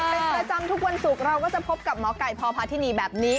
เป็นประจำทุกวันศุกร์เราก็จะพบกับหมอไก่พพาธินีแบบนี้